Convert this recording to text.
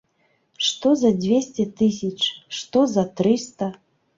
Што за дзвесце тысяч, што за трыста.